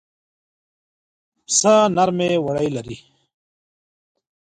پسه نرمې وړۍ لري.